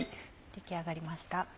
出来上がりました。